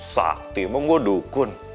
sakti emang gue dukun